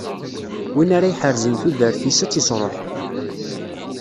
Win ara iḥerzen tudert-is, ad tt-isṛuḥ.